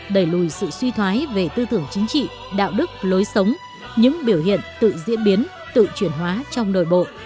đẩy lùi sự suy thoái về tư tưởng chính trị đạo đức lối sống những biểu hiện tự diễn biến tự chuyển hóa trong nội bộ